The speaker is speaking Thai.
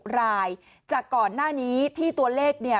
รายจากก่อนหน้านี้ที่ตัวเลขเนี่ย